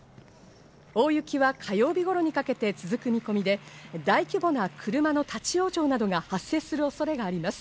大雪は火曜日頃にかけて続く見込みで、大規模な車の立ち往生などが発生する恐れがあります。